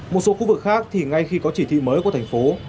một số khu vực khác thì ngay khi có chỉ thị mới của thành phố